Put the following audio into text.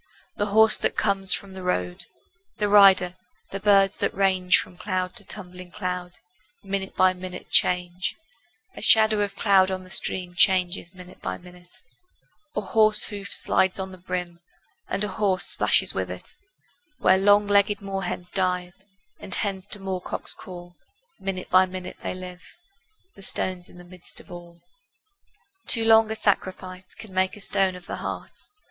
The horse that comes from the road. The rider, the birds that range From cloud to tumbling cloud, Minute by minute change; A shadow of cloud on the stream Changes minute by minute; A horse hoof slides on the brim, And a horse plashes within it Where long legged moor hens dive, And hens to moor cocks call. Minute by minute they live: The stone's in the midst of all. Too long a sacrifice Can make a stone of the heart.